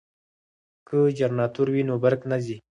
که جنراتور وي نو برق نه ځي.